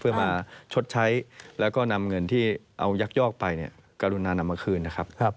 เพื่อมาชดใช้แล้วก็นำเงินที่เอายักยอกไปเนี่ยกรุณานำมาคืนนะครับ